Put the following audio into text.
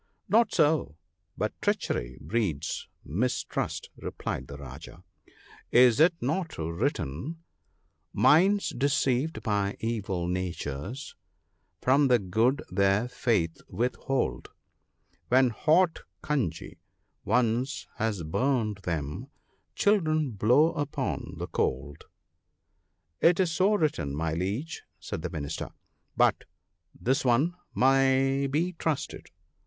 * Not so ! but treachery breeds mistrust/ replied the Rajah ; is it not written — "Minds deceived by evil natures, from the good their faith with hold ; When hot conjee once has burned them, children blow upon the cold." ' It is so written, my Liege,' said the Minister. * But this one may be trusted.